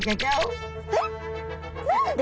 えっ？何で？